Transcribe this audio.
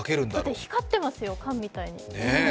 だって光ってますよ、缶みたいに。